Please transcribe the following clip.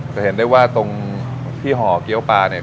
จะเห็นได้ว่าตรงที่ห่อเกี้ยวปลาเนี่ย